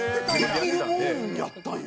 できるもんやったんや。